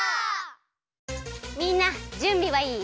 みんなじゅんびはいい？